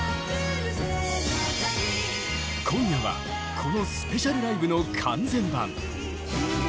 今夜はこのスペシャルライブの完全版。